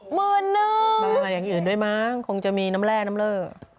หมื่นนึงอย่างอื่นด้วยมั้งคงจะมีน้ำแร่น้ำเล่อ